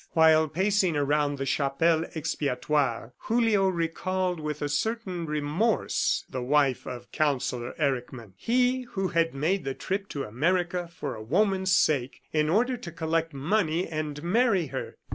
While pacing around the Chapelle Expiatoire, Julio recalled with a certain remorse the wife of Counsellor Erckmann. He who had made the trip to America for a woman's sake, in order to collect money and marry her!